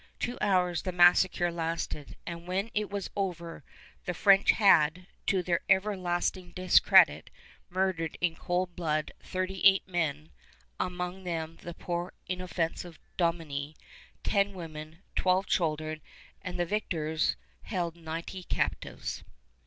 Two hours the massacre lasted, and when it was over the French had, to their everlasting discredit, murdered in cold blood thirty eight men (among them the poor inoffensive dominie), ten women, twelve children; and the victors held ninety captives.